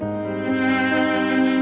kenapa andin udah tidur sih